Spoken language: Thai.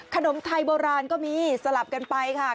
ขนมไทยโบราณก็มีสลับกันไปค่ะ